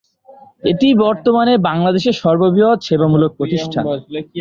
এটি বর্তমানে বাংলাদেশের সর্ববৃহৎ সেবামূলক প্রতিষ্ঠান।